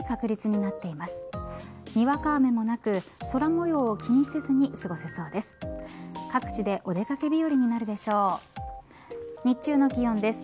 にわか雨もなく空模様を気にせずに過ごせそうです。